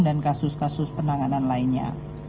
dan kasus kasus penanganan lainnya